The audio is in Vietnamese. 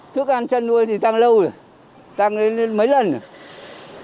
thức ăn chăn nuôi thì tăng lâu rồi tăng lên mấy lần rồi